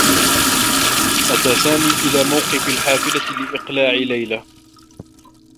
أتى سامي إلى موقف الحافلة لإقلال ليلى.